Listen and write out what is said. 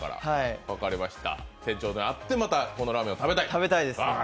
店長に会ってまたこのラーメンを食べたい？